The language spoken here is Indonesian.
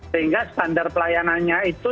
sehingga standar pelayanannya itu